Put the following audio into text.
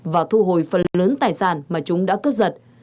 và thu hồi phần lớn tài sản mà chúng đã cướp giật